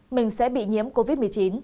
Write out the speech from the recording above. mình sẽ bị nhiễm covid một mươi chín